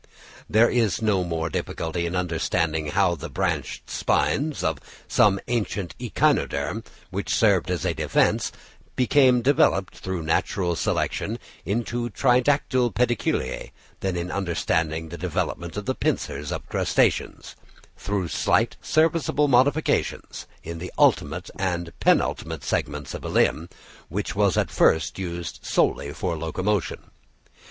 There is no more difficulty in understanding how the branched spines of some ancient Echinoderm, which served as a defence, became developed through natural selection into tridactyle pedicellariæ, than in understanding the development of the pincers of crustaceans, through slight, serviceable modifications in the ultimate and penultimate segments of a limb, which was at first used solely for locomotion.